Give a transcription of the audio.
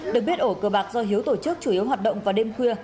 được biết ổ cơ bạc do hiếu tổ chức chủ yếu hoạt động vào đêm khuya